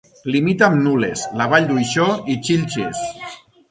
Limita amb Nules, la Vall d'Uixó i Xilxes.